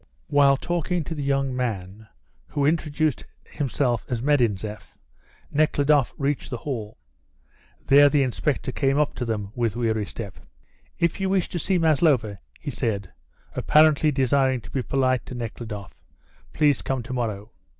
While talking to the young man, who introduced himself as Medinzeff, Nekhludoff reached the hall. There the inspector came up to them with weary step. "If you wish to see Maslova," he said, apparently desiring to be polite to Nekhludoff, "please come to morrow."